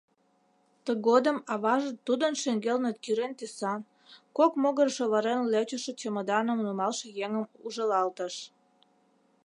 Тыгодым аваже тудын шеҥгелне кӱрен тӱсан, кок могырыш оварен лӧчышӧ чемоданым нумалше еҥым ужылалтыш.